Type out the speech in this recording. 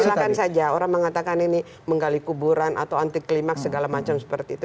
silahkan saja orang mengatakan ini menggali kuburan atau anti klimak segala macam seperti itu